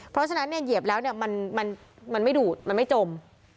เพราะฉะนั้นเหยียบแล้วมันไม่ดูดมันไม่จม